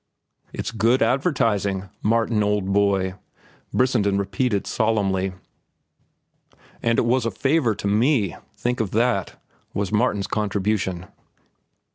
"It's good advertising, Martin, old boy," Brissenden repeated solemnly. "And it was a favor to me—think of that!" was Martin's contribution.